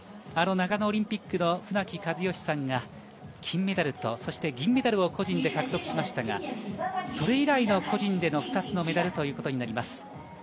あの長野オリンピックの船木和喜さんが金メダルと銀メダルを個人で獲得しましたがそれ以来の個人での２つのメダルということになります。